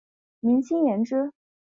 明清延之。